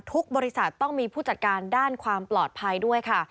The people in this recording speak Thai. ทุกบริษัทต้องมีผู้จัดการด้านความปลอดภัยด้วยค่ะ